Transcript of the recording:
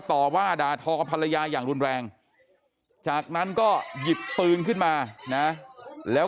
ต่อว่าด่าทอกับภรรยาอย่างรุนแรงจากนั้นก็หยิบปืนขึ้นมานะแล้ว